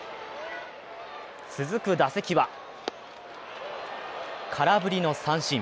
続く打席は空振りの三振。